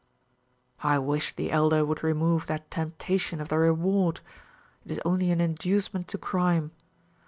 "I wish the Elder would remove that temptation of the reward. It is only an inducement to crime.